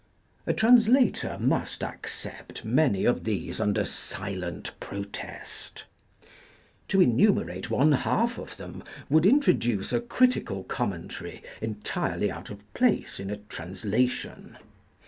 A translator must accept many of these under silent protest; to enumerate one half of them would introduce a critical commentary entirely out of place in a translation.